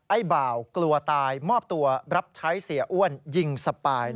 บ่าวกลัวตายมอบตัวรับใช้เสียอ้วนยิงสปาย